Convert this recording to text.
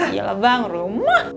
iya lah bang rumah